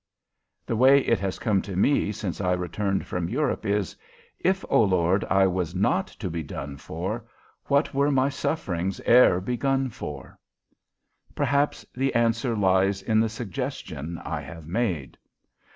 The way it has come to me since I returned from Europe is: If, O Lord, I was not to be done for, What were my sufferings e'er begun for? Perhaps the answer lies in the suggestion I have made.